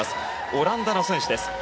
オランダの選手です。